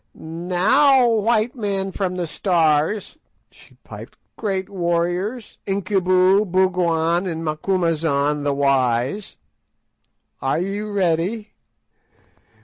"Now, white men from the Stars," she piped; "great warriors, Incubu, Bougwan, and Macumazahn the wise, are ye ready?